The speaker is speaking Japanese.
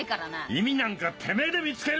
意味なんかてめぇで見つけるんだよ！